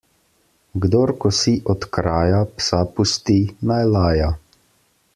Kdor kosi od kraja, psa pusti, naj laja.